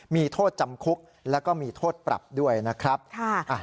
มีโทษจำคุกแล้วก็มีโทษปรับด้วยนะครับ